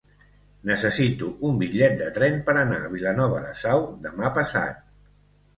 Necessito un bitllet de tren per anar a Vilanova de Sau demà passat.